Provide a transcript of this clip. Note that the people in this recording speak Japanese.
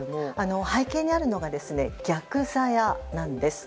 背景にあるのが逆ザヤなんです。